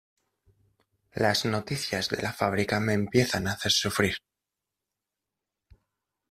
Las noticias de la fábrica me empiezan a hacer sufrir.